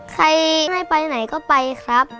ใครไม่ไปไหนก็ไปครับ